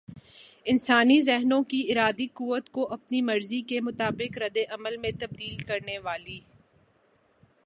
انسانی ذہنوں کی ارادی قوت کو اپنی مرضی کے مطابق ردعمل میں تبدیل کرنے والی